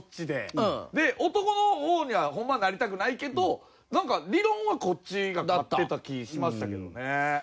で男の方にはホンマはなりたくないけどなんか理論はこっちが勝ってた気しましたけどね。